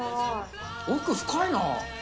奥深いな。